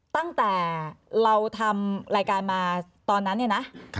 ตั้งแต่เราทำรายการมาตอนนั้นเนี่ยนะ